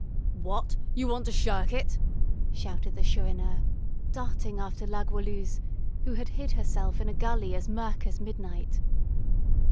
"What, you want to shirk it?" shouted the Chourineur, darting after La Goualeuse, who had hid herself in a gully as murk as midnight.